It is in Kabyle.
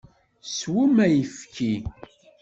Swem ayefki!